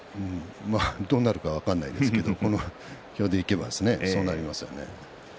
どうなるか分からないですけどこの表でいけばそうなりますね。